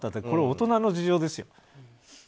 これは大人の事情ですよ。